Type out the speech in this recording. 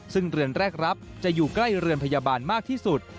ซึ่งเรือนแรกรับจะอยู่ใกล้เรือนพยาบาลมากที่สุด